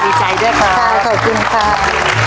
มีใจด้วยครับ